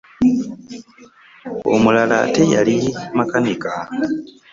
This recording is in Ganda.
Omulala ate yali makanika.